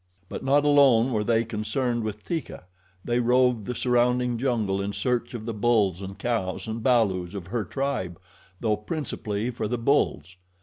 But not alone were they concerned with Teeka they roved the surrounding jungle in search of the bulls and cows and balus of her tribe, though principally for the bulls.